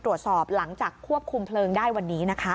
ตรวจสอบหลังจากควบคุมเพลิงได้วันนี้นะคะ